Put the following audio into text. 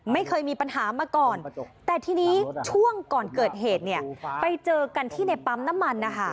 ไม่เคยมีปัญหามาก่อนแต่ทีนี้ช่วงก่อนเกิดเหตุเนี่ยไปเจอกันที่ในปั๊มน้ำมันนะคะ